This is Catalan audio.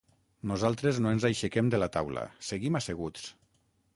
Nosaltres no ens aixequem de la taula, seguim asseguts.